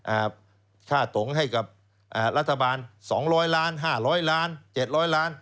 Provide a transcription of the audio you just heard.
อ่าค่าตงให้กับอ่ารัฐบาล๒๐๐ล้าน๕๐๐ล้าน๗๐๐ล้าน